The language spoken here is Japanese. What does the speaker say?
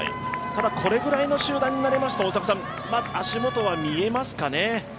これぐらいの集団になりますと足元は見えますかね？